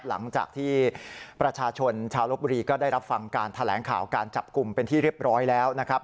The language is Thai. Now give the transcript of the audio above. หลังจากที่ประชาชนชาวลบบุรีก็ได้รับฟังการแถลงข่าวการจับกลุ่มเป็นที่เรียบร้อยแล้วนะครับ